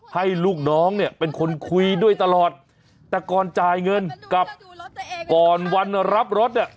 ให้ลูกน้องเนี่ยเป็นคนคุยด้วยตลอดแต่ก่อนจ่ายเงินกับก่อนวันรับรถเนี่ย